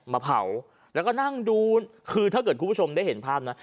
มาเผาแล้วก็นั่งดูคือถ้าเกิดคุณผู้ชมได้เห็นภาพนะ